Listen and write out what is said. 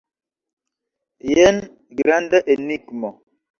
Jen granda enigmo!